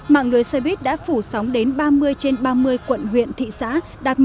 mạng lưới xe buýt đã phủ sóng đến ba mươi trên ba mươi quận huyện thị xã đạt một mươi